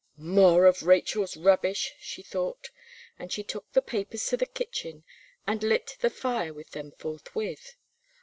"More of Rachel's rubbish!" she thought, and she took the papers to the kitchen, and lit the fire with them forthwith.